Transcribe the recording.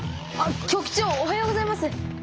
あっ局長おはようございます。